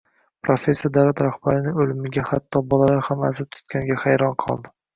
Professor davlat rahbarining o`limiga hatto bolalar ham aza tutganiga hayron qoldi